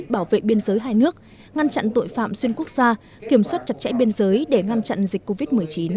bảo vệ biên giới hai nước ngăn chặn tội phạm xuyên quốc gia kiểm soát chặt chẽ biên giới để ngăn chặn dịch covid một mươi chín